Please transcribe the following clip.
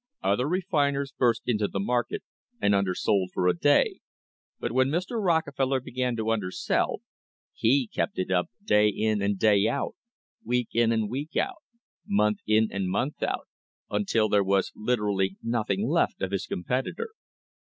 Other refiners burst into the market and undersold for a day; but when Mr. Rockefeller began to undersell, he kept it up day in and day out, week in and week out, month in and month out, until there was literally noth ing left of his competitor.